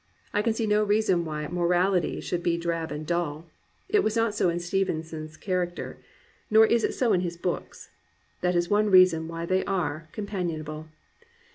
I can see no reason why morality should be drab and dull. It was not so in Stevenson's char 390 AN ADVENTURER acter, nor is it so in his books. That is one reason why they are companionable.